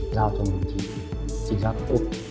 giao cho một chính trị chính xác tốt